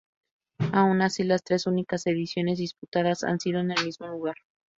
Aun así, las tres únicas ediciones disputadas han sido en el mismo lugar.